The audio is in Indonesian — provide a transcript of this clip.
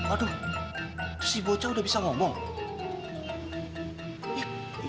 aduh si bocah udah bisa ngomong